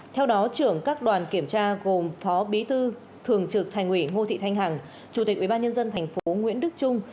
theo đó trưởng các đoàn kiểm tra gồm phó bí thư thường trực thành ủy ngô thị thanh hằng chủ tịch ubnd tp nguyễn đức trung